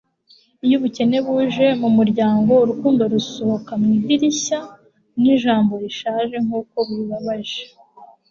Iyo ubukene buje mu muryango urukundo rusohoka mu idirishya ni ijambo rishaje nkuko bibabaje